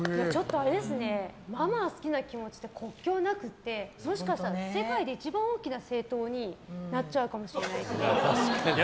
ママ好きな気持ちって国境なくってもしかしたら世界で一番大きな政党になっちゃうかもしれない。